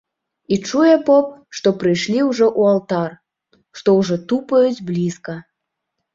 І чуе поп, што прыйшлі ўжо ў алтар, што ўжо тупаюць блізка.